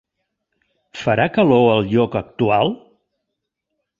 Farà calor al lloc actual?